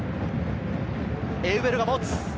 エウベルが持つ。